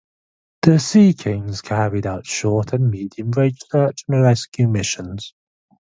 The Sea Kings carried out short and medium range search and rescue missions.